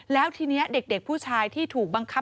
แล้วทีนี้เด็กผู้ชายที่ถูกบังคับ